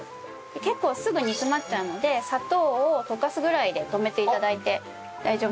結構すぐ煮詰まっちゃうので砂糖を溶かすぐらいで止めて頂いて大丈夫です。